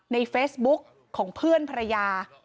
ในเฟซบุ๊กของเพื่อนภรรยา